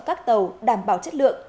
các tàu đảm bảo chất lượng